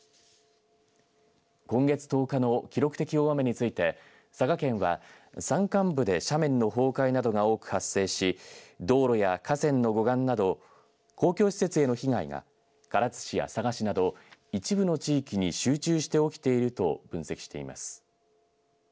今月１０日の記録的大雨について、佐賀県は山間部で斜面の崩壊などが多く発生し道路や河川の護岸など公共施設への被害が唐津市や佐賀市など一部の地域に集中して起きていると分析しています。